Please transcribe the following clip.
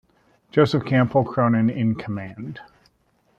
Joseph Campbell Cronin in command.